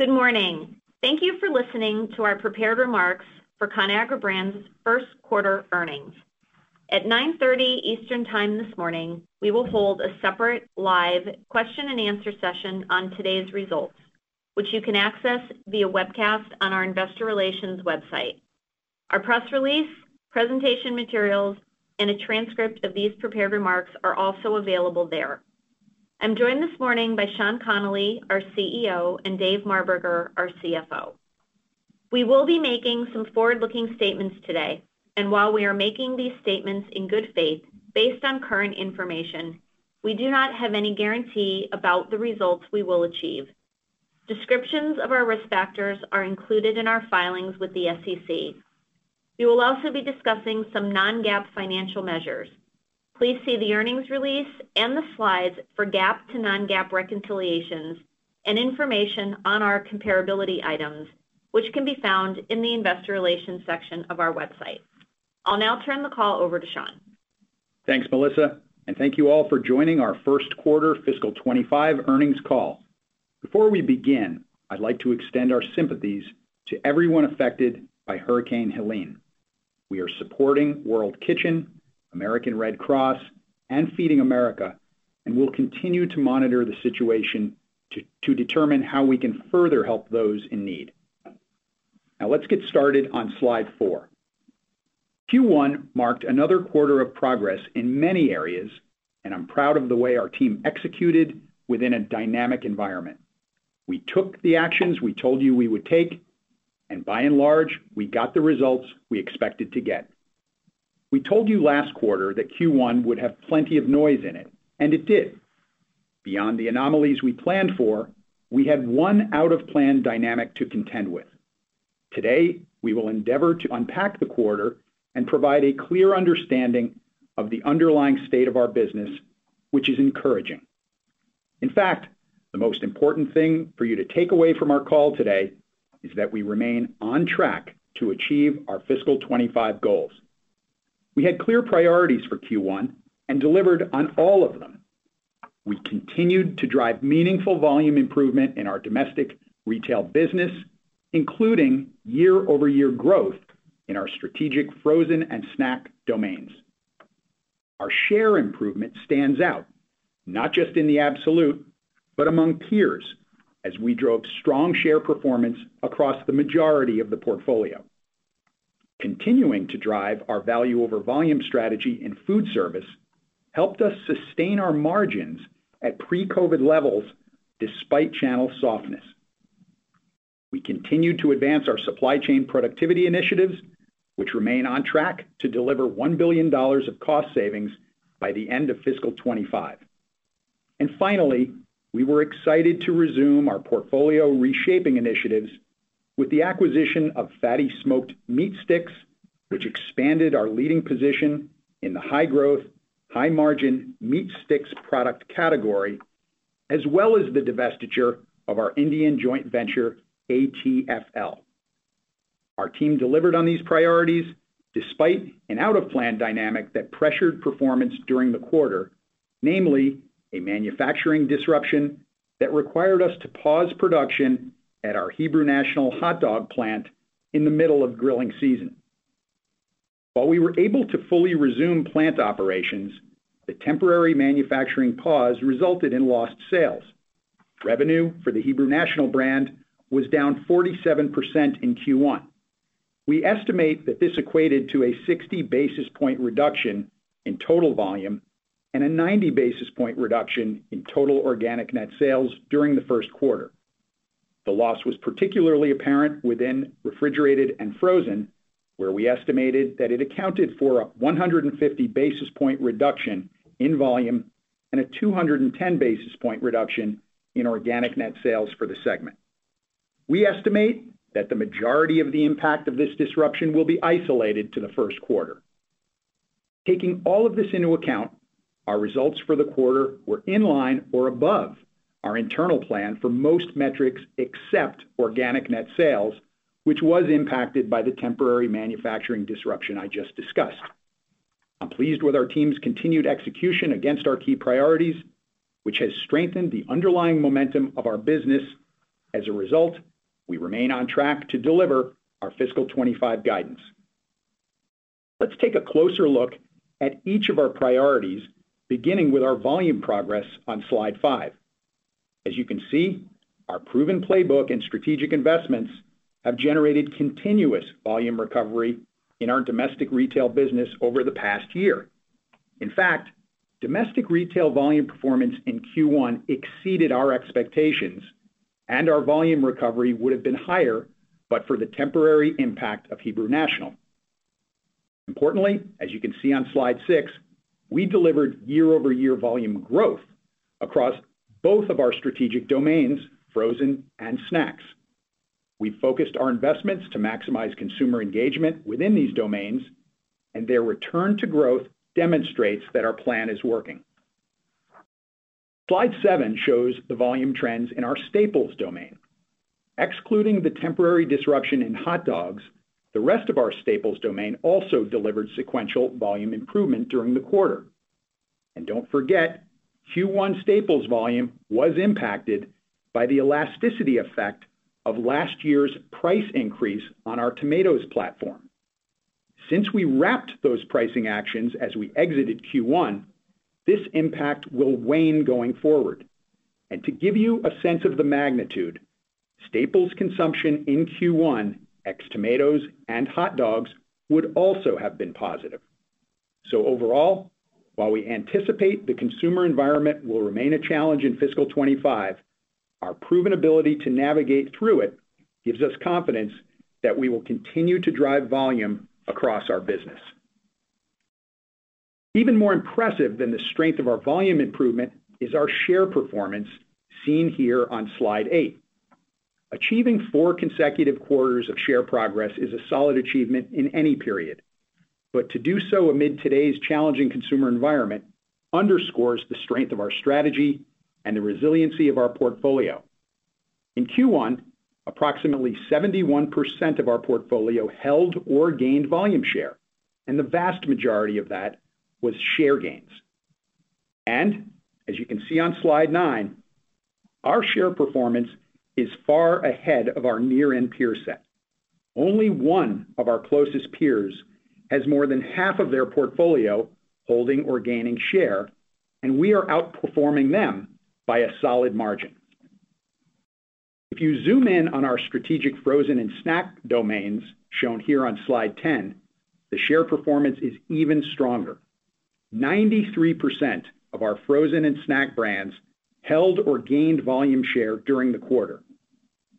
Good morning! Thank you for listening to our prepared remarks for Conagra Brands' first quarter earnings. At 9:30 A.M. Eastern Time this morning, we will hold a separate live question and answer session on today's results, which you can access via webcast on our investor relations website. Our press release, presentation materials, and a transcript of these prepared remarks are also available there. I'm joined this morning by Sean Connolly, our CEO, and Dave Marberger, our CFO. We will be making some forward-looking statements today, and while we are making these statements in good faith based on current information, we do not have any guarantee about the results we will achieve. Descriptions of our risk factors are included in our filings with the SEC. We will also be discussing some non-GAAP financial measures. Please see the earnings release and the slides for GAAP to non-GAAP reconciliations and information on our comparability items, which can be found in the investor relations section of our website. I'll now turn the call over to Sean. Thanks, Melissa, and thank you all for joining our first quarter fiscal twenty-five earnings call. Before we begin, I'd like to extend our sympathies to everyone affected by Hurricane Helene. We are supporting World Kitchen, American Red Cross, and Feeding America, and we'll continue to monitor the situation to determine how we can further help those in need. Now, let's get started on slide four. Q1 marked another quarter of progress in many areas, and I'm proud of the way our team executed within a dynamic environment. We took the actions we told you we would take, and by and large, we got the results we expected to get. We told you last quarter that Q1 would have plenty of noise in it, and it did. Beyond the anomalies we planned for, we had one out-of-plan dynamic to contend with. Today, we will endeavor to unpack the quarter and provide a clear understanding of the underlying state of our business, which is encouraging. In fact, the most important thing for you to take away from our call today is that we remain on track to achieve our fiscal twenty-five goals. We had clear priorities for Q1 and delivered on all of them. We continued to drive meaningful volume improvement in our domestic retail business, including year-over-year growth in our strategic frozen and snack domains. Our share improvement stands out, not just in the absolute, but among peers, as we drove strong share performance across the majority of the portfolio. Continuing to drive our value over volume strategy in food service helped us sustain our margins at pre-COVID levels despite channel softness. We continued to advance our supply chain productivity initiatives, which remain on track to deliver $1 billion of cost savings by the end of fiscal twenty-five. And finally, we were excited to resume our portfolio reshaping initiatives with the acquisition of FATTY Smoked Meat Sticks, which expanded our leading position in the high-growth, high-margin meat sticks product category, as well as the divestiture of our Indian joint venture, ATFL. Our team delivered on these priorities despite an out-of-plan dynamic that pressured performance during the quarter, namely a manufacturing disruption that required us to pause production at our Hebrew National hot dog plant in the middle of grilling season. While we were able to fully resume plant operations, the temporary manufacturing pause resulted in lost sales. Revenue for the Hebrew National brand was down 47% in Q1. We estimate that this equated to a sixty basis point reduction in total volume and a ninety basis point reduction in total organic net sales during the first quarter. The loss was particularly apparent within refrigerated and frozen, where we estimated that it accounted for a one hundred and fifty basis point reduction in volume and a two hundred and ten basis point reduction in organic net sales for the segment. We estimate that the majority of the impact of this disruption will be isolated to the first quarter. Taking all of this into account, our results for the quarter were in line or above our internal plan for most metrics, except organic net sales, which was impacted by the temporary manufacturing disruption I just discussed. I'm pleased with our team's continued execution against our key priorities, which has strengthened the underlying momentum of our business. As a result, we remain on track to deliver our fiscal twenty-five guidance. Let's take a closer look at each of our priorities, beginning with our volume progress on slide five. As you can see, our proven playbook and strategic investments have generated continuous volume recovery in our domestic retail business over the past year. In fact, domestic retail volume performance in Q1 exceeded our expectations, and our volume recovery would have been higher, but for the temporary impact of Hebrew National. Importantly, as you can see on slide six, we delivered year-over-year volume growth across both of our strategic domains, frozen and snacks. We focused our investments to maximize consumer engagement within these domains, and their return to growth demonstrates that our plan is working. Slide seven shows the volume trends in our staples domain. Excluding the temporary disruption in hot dogs, the rest of our staples domain also delivered sequential volume improvement during the quarter. And don't forget, Q1 staples volume was impacted by the elasticity effect of last year's price increase on our tomatoes platform. Since we wrapped those pricing actions as we exited Q1, this impact will wane going forward. And to give you a sense of the magnitude, staples consumption in Q1, ex tomatoes and hot dogs, would also have been positive. So overall, while we anticipate the consumer environment will remain a challenge in fiscal twenty-five, our proven ability to navigate through it gives us confidence that we will continue to drive volume across our business. Even more impressive than the strength of our volume improvement is our share performance, seen here on slide eight. Achieving four consecutive quarters of share progress is a solid achievement in any period, but to do so amid today's challenging consumer environment underscores the strength of our strategy and the resiliency of our portfolio. In Q1, approximately 71% of our portfolio held or gained volume share, and the vast majority of that was share gains. As you can see on Slide nine, our share performance is far ahead of our nearest peer set. Only one of our closest peers has more than half of their portfolio holding or gaining share, and we are outperforming them by a solid margin. If you zoom in on our strategic frozen and snack domains, shown here on Slide 10, the share performance is even stronger. 93% of our frozen and snack brands held or gained volume share during the quarter.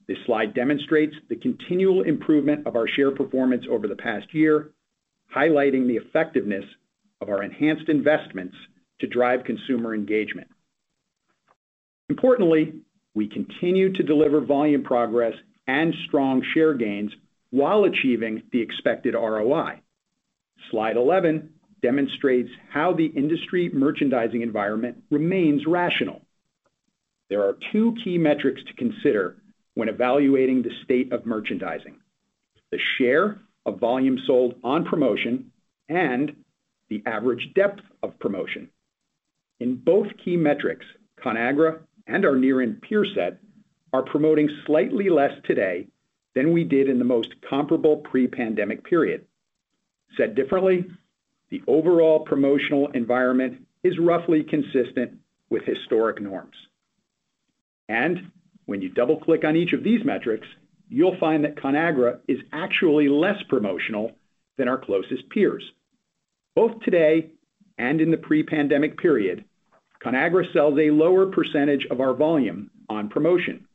This slide demonstrates the continual improvement of our share performance over the past year, highlighting the effectiveness of our enhanced investments to drive consumer engagement. Importantly, we continue to deliver volume progress and strong share gains while achieving the expected ROI. Slide 11 demonstrates how the industry merchandising environment remains rational. There are two key metrics to consider when evaluating the state of merchandising: the share of volume sold on promotion and the average depth of promotion. In both key metrics, Conagra and our near-end peer set are promoting slightly less today than we did in the most comparable pre-pandemic period. Said differently, the overall promotional environment is roughly consistent with historic norms, and when you double-click on each of these metrics, you'll find that Conagra is actually less promotional than our closest peers. Both today and in the pre-pandemic period, Conagra sells a lower percentage of our volume on promotion,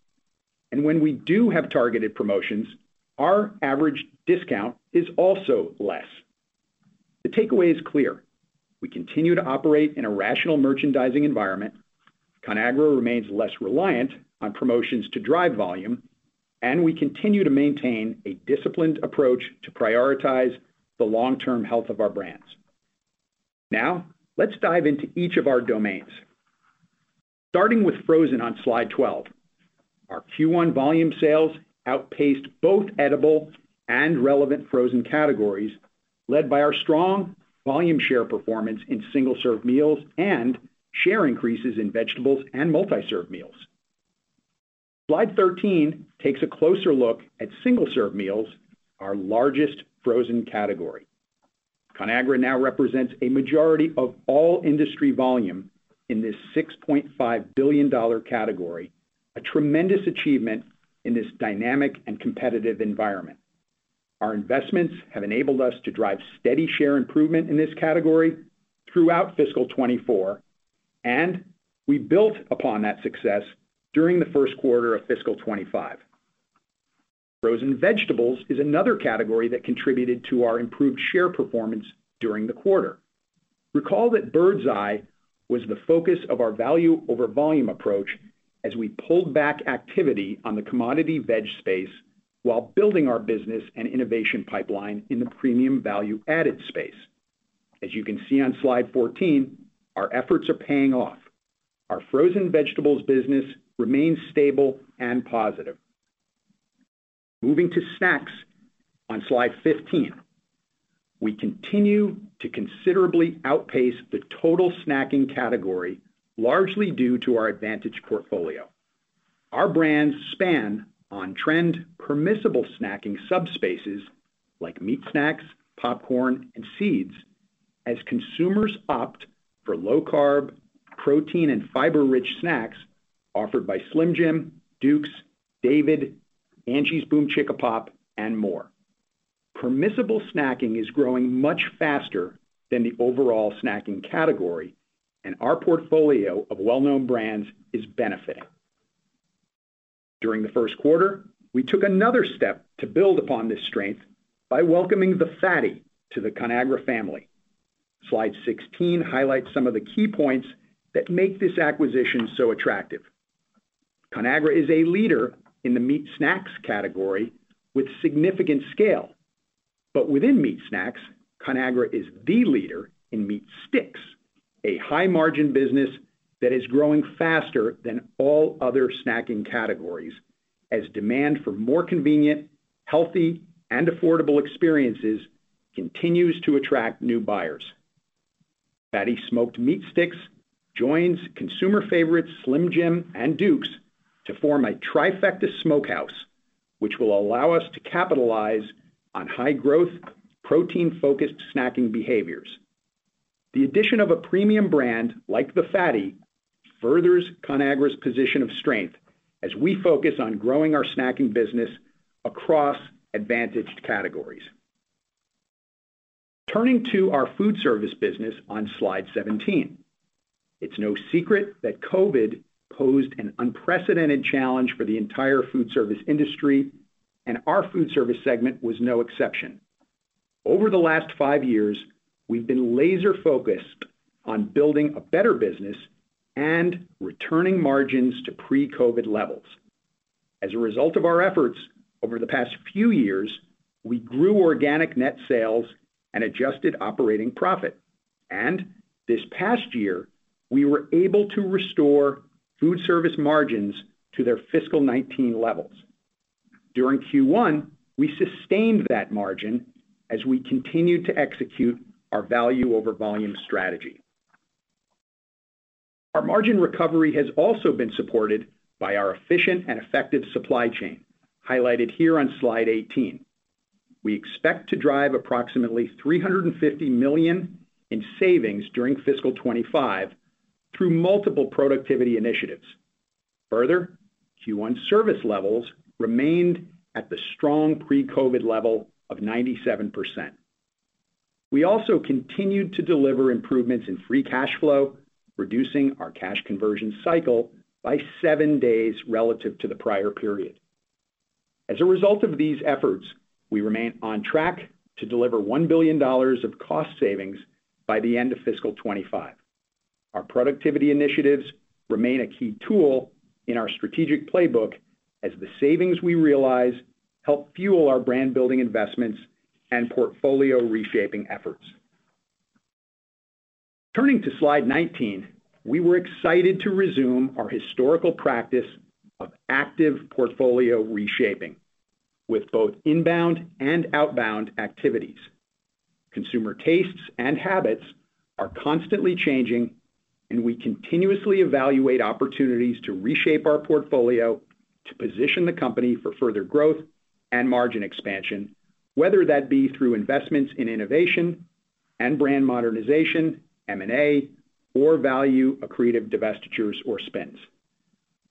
and when we do have targeted promotions, our average discount is also less. The takeaway is clear: We continue to operate in a rational merchandising environment. Conagra remains less reliant on promotions to drive volume, and we continue to maintain a disciplined approach to prioritize the long-term health of our brands. Now, let's dive into each of our domains. Starting with frozen on slide 12, our Q1 volume sales outpaced both edible and relevant frozen categories, led by our strong volume share performance in single-serve meals and share increases in vegetables and multi-serve meals. Slide 13 takes a closer look at single-serve meals, our largest frozen category. Conagra now represents a majority of all industry volume in this $6.5 billion category, a tremendous achievement in this dynamic and competitive environment. Our investments have enabled us to drive steady share improvement in this category throughout fiscal twenty-four, and we built upon that success during the first quarter of fiscal twenty-five. Frozen vegetables is another category that contributed to our improved share performance during the quarter. Recall that Bird's Eye was the focus of our value over volume approach as we pulled back activity on the commodity veg space while building our business and innovation pipeline in the premium value-added space. As you can see on Slide 14, our efforts are paying off. Our frozen vegetables business remains stable and positive. Moving to snacks on Slide 15, we continue to considerably outpace the total snacking category, largely due to our advantage portfolio. Our brands span on-trend, permissible snacking subspaces like meat snacks, popcorn, and seeds, as consumers opt for low-carb, protein, and fiber-rich snacks offered by Slim Jim, Duke's, David, Angie's BOOMCHICKAPOP, and more. Permissible snacking is growing much faster than the overall snacking category, and our portfolio of well-known brands is benefiting. During the first quarter, we took another step to build upon this strength by welcoming the FATTY to the Conagra family. Slide 16 highlights some of the key points that make this acquisition so attractive. Conagra is a leader in the meat snacks category with significant scale. But within meat snacks, Conagra is the leader in meat sticks, a high-margin business that is growing faster than all other snacking categories, as demand for more convenient, healthy, and affordable experiences continues to attract new buyers. Fatty Smoked Meat Sticks joins consumer favorites, Slim Jim and Duke's, to form a trifecta Smokehouse, which will allow us to capitalize on high-growth, protein-focused snacking behaviors. The addition of a premium brand like The FATTY furthers Conagra's position of strength as we focus on growing our snacking business across advantaged categories. Turning to our food service business on slide 17. It's no secret that COVID posed an unprecedented challenge for the entire food service industry, and our food service segment was no exception. Over the last five years, we've been laser-focused on building a better business and returning margins to pre-COVID levels. As a result of our efforts over the past few years, we grew organic net sales and adjusted operating profit, and this past year, we were able to restore food service margins to their fiscal 2019 levels. During Q1, we sustained that margin as we continued to execute our value over volume strategy. Our margin recovery has also been supported by our efficient and effective supply chain, highlighted here on slide 18. We expect to drive approximately $350 million in savings during fiscal twenty-five through multiple productivity initiatives. Further, Q1 service levels remained at the strong pre-COVID level of 97%. We also continued to deliver improvements in free cash flow, reducing our cash conversion cycle by seven days relative to the prior period. As a result of these efforts, we remain on track to deliver $1 billion of cost savings by the end of fiscal twenty-five. Our productivity initiatives remain a key tool in our strategic playbook as the savings we realize help fuel our brand-building investments and portfolio reshaping efforts. Turning to slide 19, we were excited to resume our historical practice of active portfolio reshaping, with both inbound and outbound activities. Consumer tastes and habits are constantly changing, and we continuously evaluate opportunities to reshape our portfolio to position the company for further growth and margin expansion, whether that be through investments in innovation and brand modernization, M&A or value accretive divestitures or spins.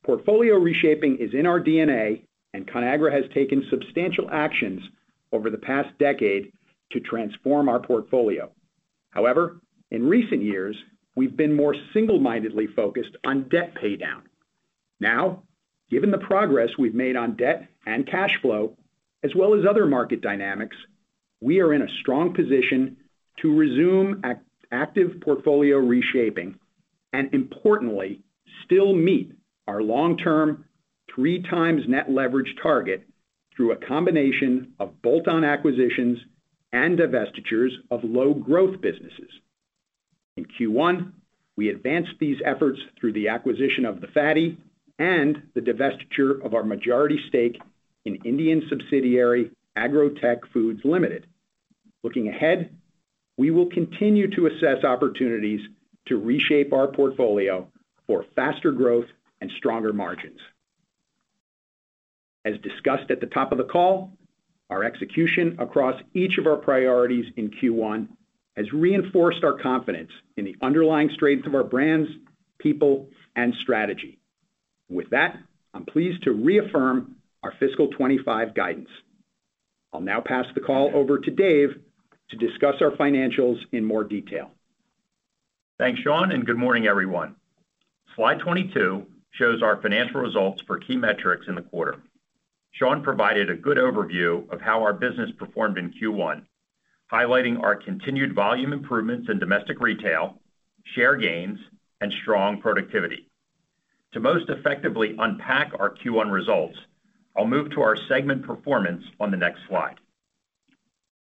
Portfolio reshaping is in our DNA, and Conagra has taken substantial actions over the past decade to transform our portfolio. However, in recent years, we've been more single-mindedly focused on debt paydown. Now, given the progress we've made on debt and cash flow, as well as other market dynamics, we are in a strong position to resume active portfolio reshaping and importantly, still meet our long-term three times net leverage target through a combination of bolt-on acquisitions and divestitures of low growth businesses. In Q1, we advanced these efforts through the acquisition of The FATTY and the divestiture of our majority stake in Indian subsidiary, Agro Tech Foods Limited. Looking ahead, we will continue to assess opportunities to reshape our portfolio for faster growth and stronger margins. As discussed at the top of the call, our execution across each of our priorities in Q1 has reinforced our confidence in the underlying strength of our brands, people, and strategy. With that, I'm pleased to reaffirm our fiscal twenty-five guidance. I'll now pass the call over to David to discuss our financials in more detail. Thanks, Sean, and good morning, everyone. Slide 22 shows our financial results for key metrics in the quarter. Sean provided a good overview of how our business performed in Q1, highlighting our continued volume improvements in domestic retail, share gains, and strong productivity. To most effectively unpack our Q1 results, I'll move to our segment performance on the next slide.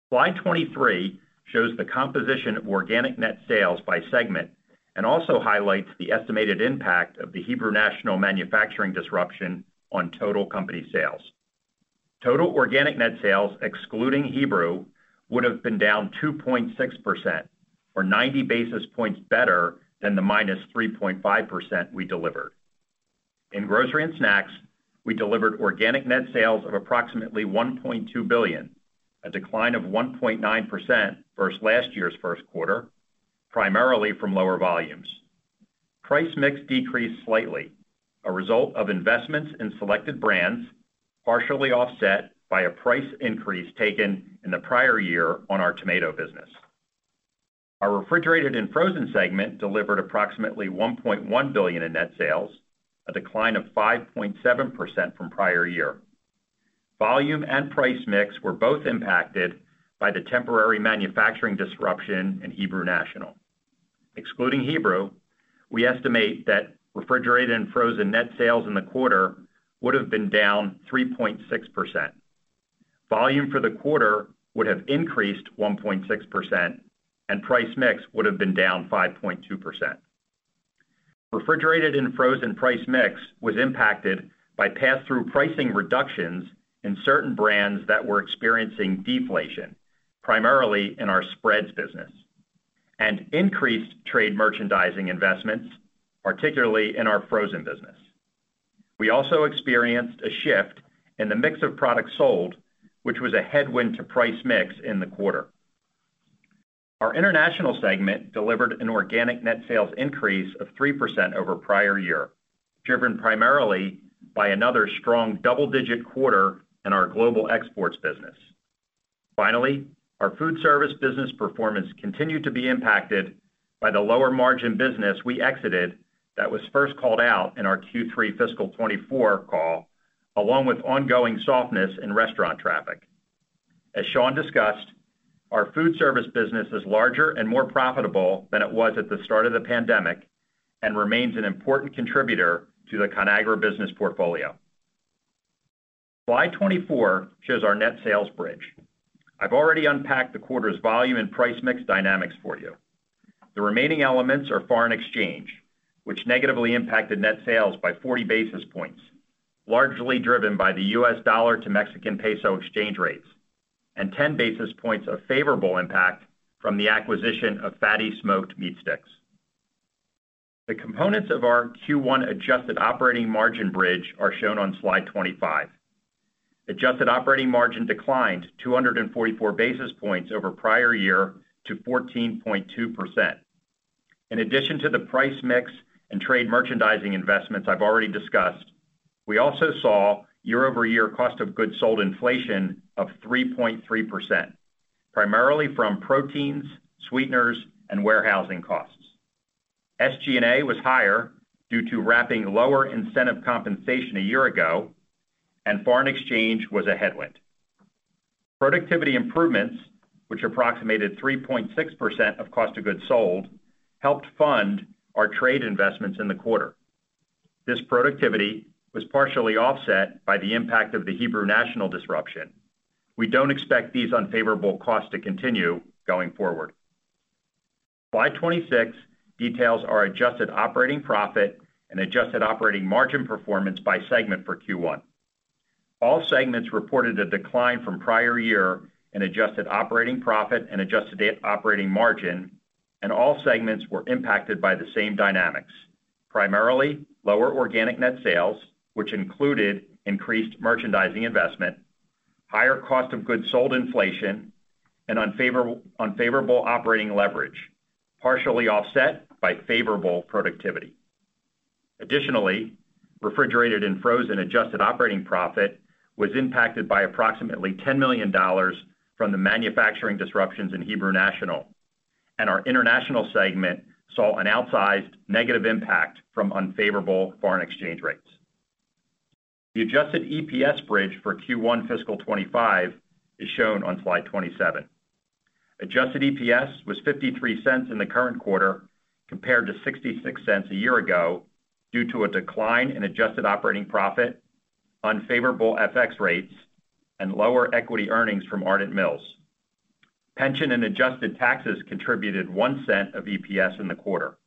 Slide 23 shows the composition of organic net sales by segment and also highlights the estimated impact of the Hebrew National manufacturing disruption on total company sales. Total organic net sales, excluding Hebrew, would have been down 2.6%, or 90 basis points better than the -3.5% we delivered. In grocery and snacks, we delivered organic net sales of approximately $1.2 billion, a decline of 1.9% versus last year's first quarter, primarily from lower volumes. Price mix decreased slightly, a result of investments in selected brands, partially offset by a price increase taken in the prior year on our tomato business. Our refrigerated and frozen segment delivered approximately $1.1 billion in net sales, a decline of 5.7% from prior year. Volume and price mix were both impacted by the temporary manufacturing disruption in Hebrew National. Excluding Hebrew, we estimate that refrigerated and frozen net sales in the quarter would have been down 3.6%. Volume for the quarter would have increased 1.6%, and price mix would have been down 5.2%....Refrigerated and frozen price mix was impacted by pass-through pricing reductions in certain brands that were experiencing deflation, primarily in our spreads business, and increased trade merchandising investments, particularly in our frozen business. We also experienced a shift in the mix of products sold, which was a headwind to price mix in the quarter. Our international segment delivered an organic net sales increase of 3% over prior year, driven primarily by another strong double-digit quarter in our global exports business. Finally, our food service business performance continued to be impacted by the lower margin business we exited that was first called out in our Q3 fiscal 2024 call, along with ongoing softness in restaurant traffic. As Sean discussed, our food service business is larger and more profitable than it was at the start of the pandemic, and remains an important contributor to the Conagra business portfolio. Slide 24 shows our net sales bridge. I've already unpacked the quarter's volume and price mix dynamics for you. The remaining elements are foreign exchange, which negatively impacted net sales by 40 basis points, largely driven by the U.S. dollar to Mexican peso exchange rates, and 10 basis points of favorable impact from the acquisition of Fatty Smoked Meat Sticks. The components of our Q1 adjusted operating margin bridge are shown on slide 25. Adjusted operating margin declined 244 basis points over prior year to 14.2%. In addition to the price mix and trade merchandising investments I've already discussed, we also saw year-over-year cost of goods sold inflation of 3.3%, primarily from proteins, sweeteners, and warehousing costs. SG&A was higher due to wrapping lower incentive compensation a year ago, and foreign exchange was a headwind. Productivity improvements, which approximated 3.6% of cost of goods sold, helped fund our trade investments in the quarter. This productivity was partially offset by the impact of the Hebrew National disruption. We don't expect these unfavorable costs to continue going forward. Slide 26 details our adjusted operating profit and adjusted operating margin performance by segment for Q1. All segments reported a decline from prior year in adjusted operating profit and adjusted operating margin, and all segments were impacted by the same dynamics, primarily lower organic net sales, which included increased merchandising investment, higher cost of goods sold inflation, and unfavorable operating leverage, partially offset by favorable productivity. Additionally, refrigerated and frozen adjusted operating profit was impacted by approximately $10 million from the manufacturing disruptions in Hebrew National, and our international segment saw an outsized negative impact from unfavorable foreign exchange rates. The adjusted EPS bridge for Q1 fiscal 2025 is shown on slide 27. Adjusted EPS was $0.53 in the current quarter, compared to $0.66 a year ago, due to a decline in adjusted operating profit, unfavorable FX rates, and lower equity earnings from Ardent Mills. Pension and adjusted taxes contributed $0.01 of EPS in the quarter.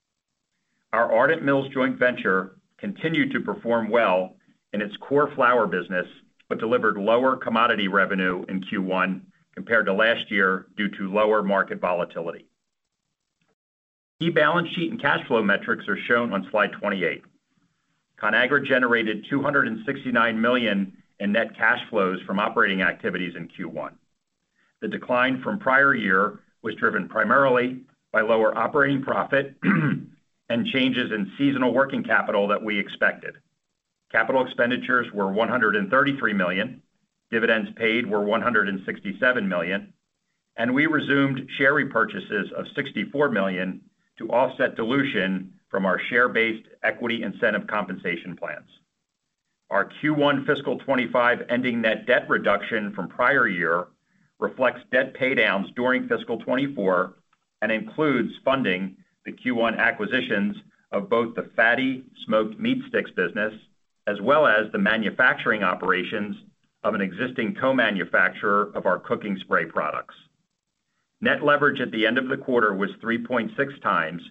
Our Ardent Mills joint venture continued to perform well in its core flour business, but delivered lower commodity revenue in Q1 compared to last year due to lower market volatility. Key balance sheet and cash flow metrics are shown on slide 28. Conagra generated $269 million in net cash flows from operating activities in Q1. The decline from prior year was driven primarily by lower operating profit, and changes in seasonal working capital that we expected. Capital expenditures were $133 million, dividends paid were $167 million, and we resumed share repurchases of $64 million to offset dilution from our share-based equity incentive compensation plans. Our Q1 fiscal 2025 ending net debt reduction from prior year reflects debt paydowns during fiscal 2024 and includes funding the Q1 acquisitions of both the FATTY Smoked Meat Sticks business, as well as the manufacturing operations of an existing co-manufacturer of our cooking spray products. Net leverage at the end of the quarter was 3.6 times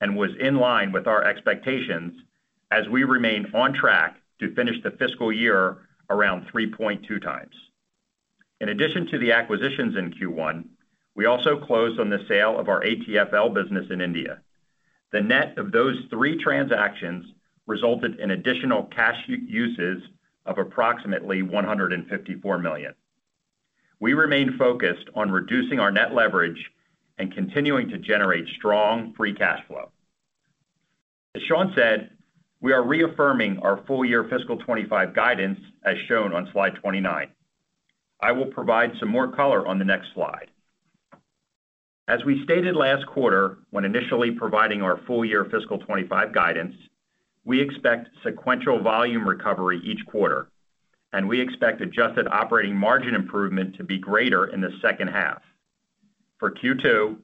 and was in line with our expectations as we remain on track to finish the fiscal year around 3.2 times. In addition to the acquisitions in Q1, we also closed on the sale of our ATFL business in India. The net of those three transactions resulted in additional cash uses of approximately $154 million. We remain focused on reducing our net leverage and continuing to generate strong free cash flow. As Sean said, we are reaffirming our full-year fiscal '25 guidance, as shown on slide 29. I will provide some more color on the next slide. As we stated last quarter, when initially providing our full-year fiscal '25 guidance, we expect sequential volume recovery each quarter, and we expect adjusted operating margin improvement to be greater in the second half. For Q2,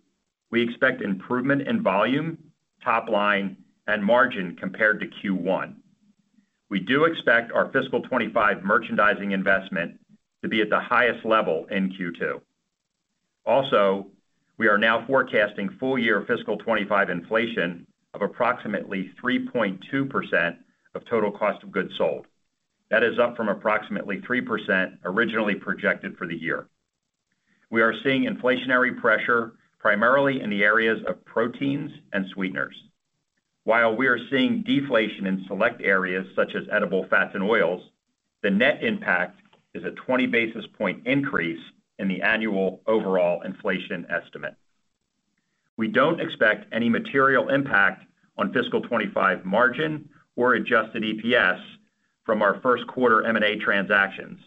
we expect improvement in volume, top line, and margin compared to Q1. We do expect our fiscal '25 merchandising investment to be at the highest level in Q2. Also, we are now forecasting full-year fiscal '25 inflation of approximately 3.2% of total cost of goods sold. That is up from approximately 3% originally projected for the year. We are seeing inflationary pressure primarily in the areas of proteins and sweeteners. While we are seeing deflation in select areas, such as edible fats and oils, the net impact is a 20 basis point increase in the annual overall inflation estimate. We don't expect any material impact on fiscal 2025 margin or adjusted EPS from our first quarter M&A transactions,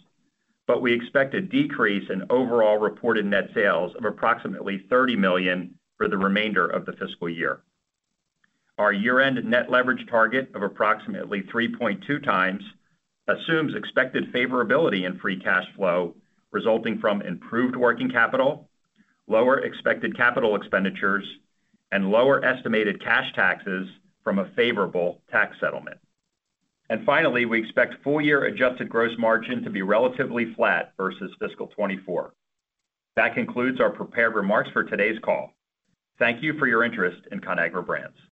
but we expect a decrease in overall reported net sales of approximately $30 million for the remainder of the fiscal year. Our year-end net leverage target of approximately 3.2 times assumes expected favorability in free cash flow, resulting from improved working capital, lower expected capital expenditures, and lower estimated cash taxes from a favorable tax settlement. Finally, we expect full-year adjusted gross margin to be relatively flat versus fiscal 2024. That concludes our prepared remarks for today's call. Thank you for your interest in Conagra Brands.